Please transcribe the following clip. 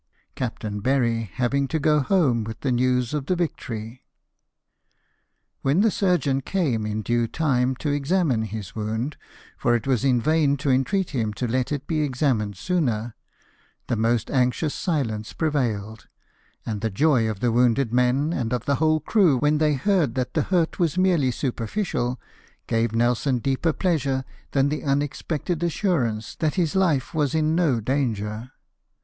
Captain Berry having to go home with the news of the victory. AVhen the surgeon came in due 144 LIFE OF NELSON. time to examine his wound (for it was in vain to entreat him to let it be examined sooner), the most anxious silence prevailed ; and the joy of the wounded men, and of the whole crew, when they heard that the hurt was merely superficial, gave Nelson deeper pleasure than the unexpected assurance that his life was in no danger.